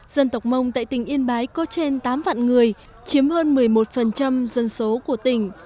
dân tộc mông tại tỉnh yên bái có trên tám vạn người chiếm hơn một mươi một dân số của tỉnh